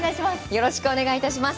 よろしくお願いします。